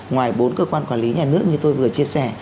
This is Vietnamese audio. ngoài bốn cơ quan quản lý nhà nước như tôi vừa chia sẻ